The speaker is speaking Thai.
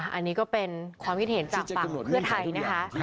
อันนี้ก็เป็นความคิดเห็นจากปากเพื่อไทยนะคะ